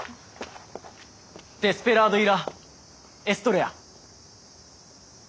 「デスペラードイ・ラ・エストレヤ」。